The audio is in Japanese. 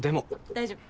大丈夫。